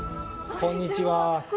こんにちは！